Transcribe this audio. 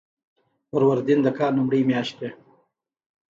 فروردین د کال لومړۍ میاشت ده.